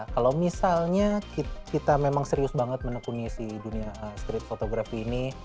kalau misalnya kita memang serius banget menekuni si dunia street photography ini